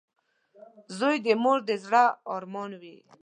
• زوی د مور د زړۀ ارمان وي.